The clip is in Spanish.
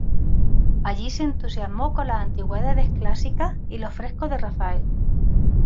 Allí se entusiasmó con las antigüedades clásicas y los frescos de Rafael.